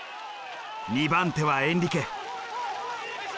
２番手はエンリケ。